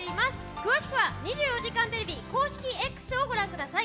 詳しくは、２４時間テレビ公式Ｘをご覧ください。